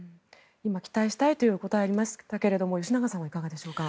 期待したいというお答えがありましたけど吉永さんはいかがでしょうか。